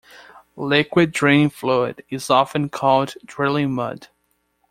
Liquid drilling fluid is often called drilling mud.